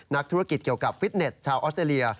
นักธุรกิจเกี่ยวกับฟิตเน็ตชาวออสเตรเลีย